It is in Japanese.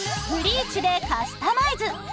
ブリーチでカスタマイズ。